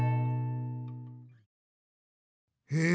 へえ